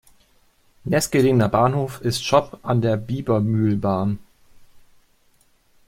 Nächstgelegener Bahnhof ist Schopp an der Biebermühlbahn.